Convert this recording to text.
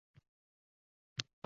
Kelganin koʻrib